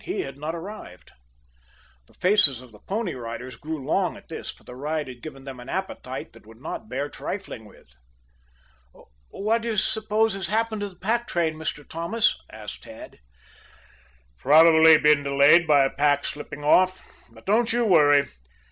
He had not arrived. The faces of the Pony Riders grew long at this, for the ride had given them an appetite that would not bear trifling with. "What do you suppose has happened to the pack train, Mr. Thomas?" asked Tad. "Probably been delayed by a pack slipping off. But don't you worry.